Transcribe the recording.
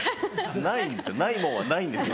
ないんですよ